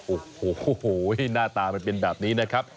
โอ้โหหน้าตามันเป็นแบบนี้นะครับ